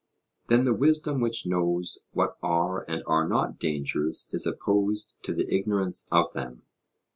Then the wisdom which knows what are and are not dangers is opposed to the ignorance of them?